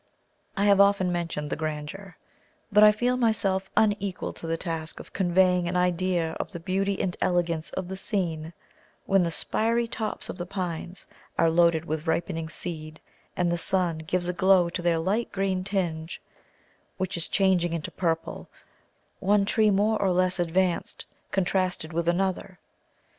I have often mentioned the grandeur, but I feel myself unequal to the task of conveying an idea of the beauty and elegance of the scene when the spiry tops of the pines are loaded with ripening seed, and the sun gives a glow to their light green tinge, which is changing into purple, one tree more or less advanced contrasted with another.